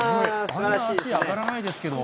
あんな足上がらないですけど。